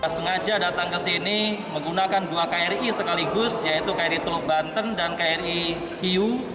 sengaja datang ke sini menggunakan dua kri sekaligus yaitu kri teluk banten dan kri hiu